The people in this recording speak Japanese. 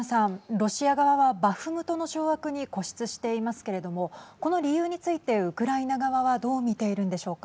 ロシア側はバフムトの掌握に固執していますけれどもこの理由についてウクライナ側はどう見ているんでしょうか。